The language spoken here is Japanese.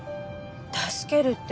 助けるって？